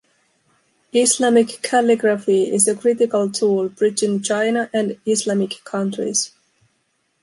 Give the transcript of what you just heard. Islamic calligraphy is a critical tool bridging China and Islamic countries.